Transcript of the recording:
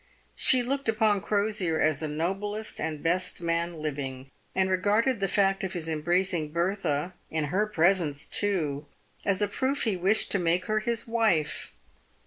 She looked upon Crosier as the noblest and best man living, and regarded the fact of his embracing Bertha — in her presence, too — as a proof he wished to make her his wife.